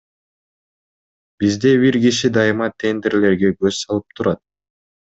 Бизде бир киши дайыма тендерлерге көз салып турат.